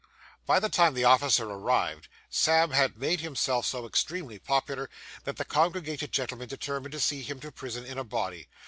By the time the officer arrived, Sam had made himself so extremely popular, that the congregated gentlemen determined to see him to prison in a body.